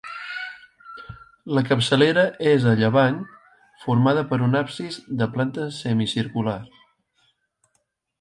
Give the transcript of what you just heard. La capçalera és a llevant, formada per un absis de planta semicircular.